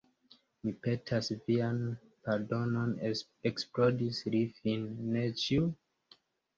Mi petas vian pardonon, eksplodis li fine, ne ĉiu!